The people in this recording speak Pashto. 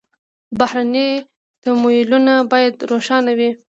بهرني تمویلونه باید روښانه وي.